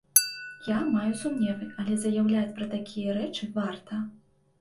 Я маю сумневы, але заяўляць пра такія рэчы варта.